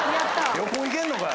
旅行行けんのかよ。